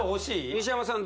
西山さん